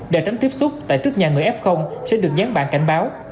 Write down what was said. để tránh tiếp xúc tại trước nhà người f sẽ được dán bản cảnh báo